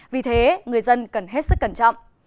vì thế người dân cần hết sức cẩn trọng